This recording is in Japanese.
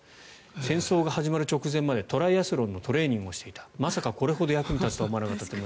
戦争が始まる直前までトライアスロンのトレーニングをしていたまさかこれほど役に立つとは思わなかったと。